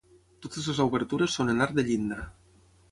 Totes les obertures són en arc de llinda.